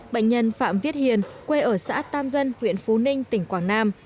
bệnh nhân phạm viết hiền quê ở xã tam dân huyện phú ninh tỉnh quảng nam